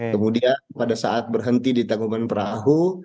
kemudian pada saat berhenti di tangkuman perahu